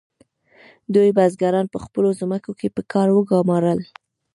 دوی بزګران په خپلو ځمکو کې په کار وګمارل.